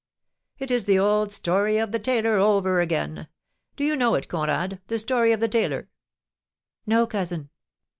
"It is the old story of the tailor over again. Do you know it, Conrad, the story of the tailor?" "No, cousin."